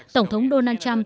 tổng thống donald trump